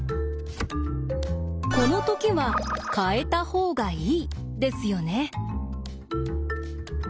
このときは変えた方がいいですよね？